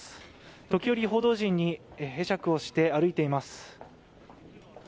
時折報道陣に会釈をして歩いています。